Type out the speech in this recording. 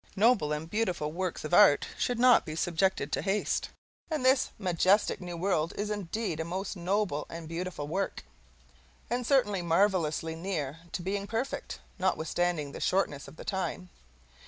Noble and beautiful works of art should not be subjected to haste; and this majestic new world is indeed a most noble and beautiful work. And certainly marvelously near to being perfect, notwithstanding the shortness of the time.